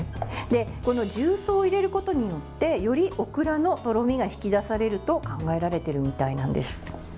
この重曹を入れることによってよりオクラのとろみが引き出されると考えられているみたいなんです。